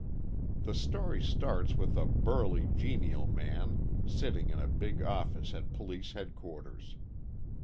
The story starts with a burly, genial man, sitting in a big office at Police Headquarters.